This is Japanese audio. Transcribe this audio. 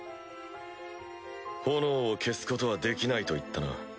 炎を消すことはできないといったな？